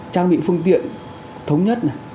trang bị phương tiện thống nhất